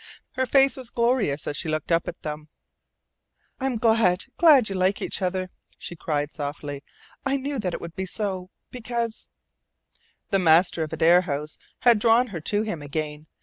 Her face was glorious as she looked up at them, "I'm glad, glad that you like each other," she cried softly. "I knew that it would be so, because " The master of Adare House had drawn her to him again.